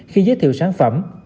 khi giới thiệu sản phẩm